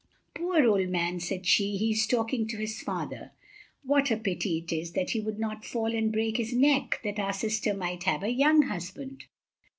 "Poor old man," said she, "he is talking to his father. What a pity it is that he would not fall and break his neck, that our sister might have a young husband."